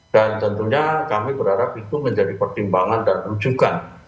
dan tentunya kami berharap itu menjadi pertimbangan dan ujukan